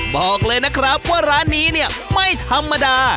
บอกเลยนะครับว่าร้านนี้เนี่ยไม่ธรรมดา